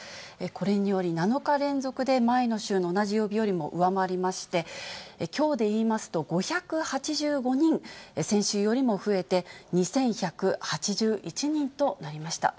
これにより７日連続で前の週の同じ曜日よりも上回りまして、きょうでいいますと、５８５人、先週よりも増えて、２１８１人となりました。